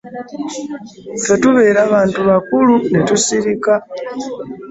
Ffe tubeera bantu bakulu ne tusirika.